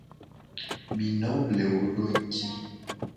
Mi no ble wo do nguti.